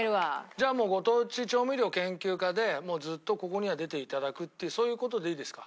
じゃあもうご当地調味料研究家でもうずっとここには出て頂くっていうそういう事でいいですか？